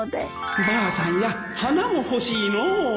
ばあさんや花も欲しいのう